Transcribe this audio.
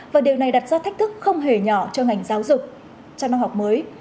và điều này đặt ra thách thức không hề nhỏ cho ngành giáo dục cho năm học mới